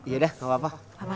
yaudah nggak apa apa